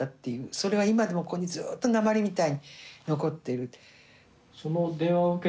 それは今でもここにずっと鉛みたいに残っている。